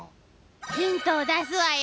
ヒントを出すわよ。